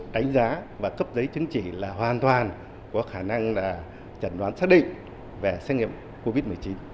đánh giá và cấp giấy chứng chỉ là hoàn toàn có khả năng là chẩn đoán xác định về xét nghiệm covid một mươi chín